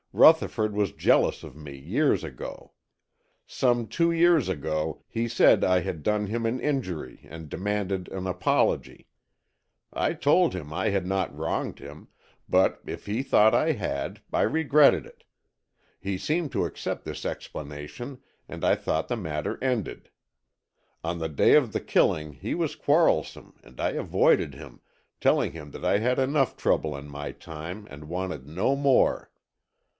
Rutherford was jealous of me years ago. Some two years ago he said I had done him an injury and demanded an apology. I told him I had not wronged him, but if he thought I had, I regretted it. He seemed to accept this explanation and I thought the matter ended. On the day of the killing he was quarrelsome and I avoided him, telling him that I had enough trouble in my time and wanted no more.